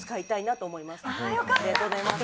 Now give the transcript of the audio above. ありがとうございます。